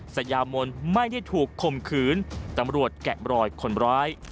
สยามนไม่ได้ถูกคมขืนตำรวจแกะบรอยคนร้าย